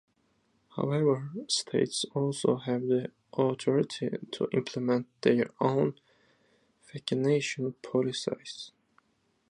However, states also have the authority to implement their own vaccination policies.